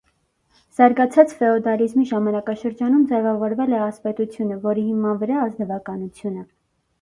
Զարգացած ֆեոդալիզմի ժամանակաշրջանում ձևավորվել է ասպետությունը, որի հիման վրա՝ ազնվականությունը։